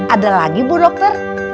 ada lagi bu dokter